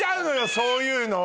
そういうのを。